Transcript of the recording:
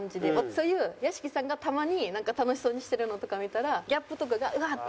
そういう屋敷さんがたまに楽しそうにしてるのとか見たらギャップとかがうわっ！